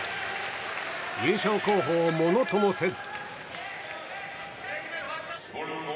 優勝候補をものともせず。